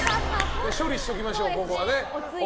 処理しておきましょう、ここは。